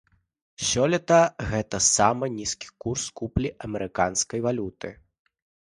Сёлета гэта самы нізкі курс куплі амерыканскай валюты.